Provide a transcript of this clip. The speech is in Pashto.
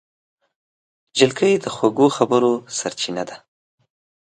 نجلۍ د خوږو خبرو سرچینه ده.